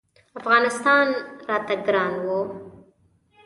افغانستان راته ګران و.